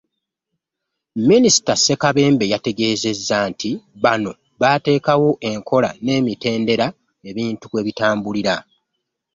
Minisita Ssekabembe yategeezezza nti bano baateekawo enkola n'emitendera ebintu kwe bitambulira